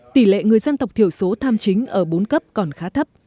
tỷ lệ người dân tộc thiểu số tham chính ở bốn cấp còn khá thấp